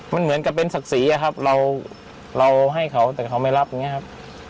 มันเหมือนกับเป็นศักดิ์ศรีอะครับเราให้เขาแต่เขาไม่รับอย่างนี้ครับ